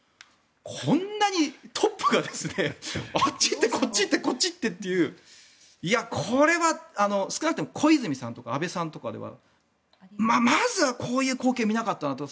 こんなにトップがあっち行ってこっち行ってというこれは少なくとも小泉さんとか安倍さんとかではまずはこういう光景見なかったなと。